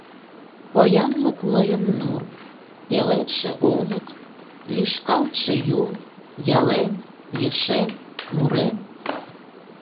Поянлык мыйын нур, пеледше олык, Лӱшкалтше Юл, ялем, ешем, мурем.